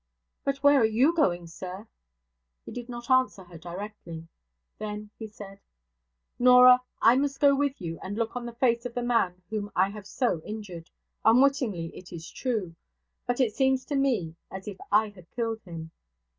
'But where are you going, sir?' He did not answer her directly. Then he said: 'Norah! I must go with you, and look on the face of the man whom I have so injured unwittingly, it is true; but it seems to me as if I had killed him.